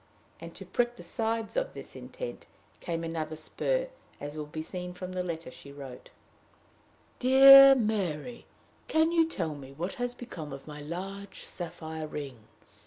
And to prick the sides of this intent came another spur, as will be seen from the letter she wrote: "Dear Mary, can you tell me what is become of my large sapphire ring?